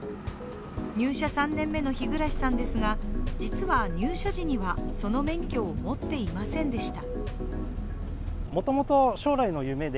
入社３年目の日暮さんですが実は入社時にはその免許を持っていませんでした。